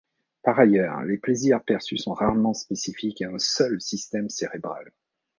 Par ailleurs, les plaisirs perçus sont rarement spécifiques à un seul système cérébral.